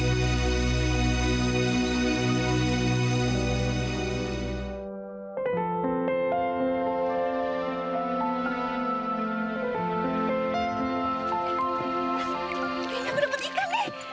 dekat dekat dekat